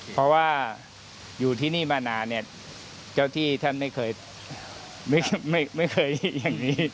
เพราะว่าอยู่ที่นี่มานานเนี่ยเจ้าที่ท่านไม่เคยไม่เคยอย่างนี้